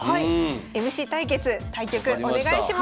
ＭＣ対決対局お願いします！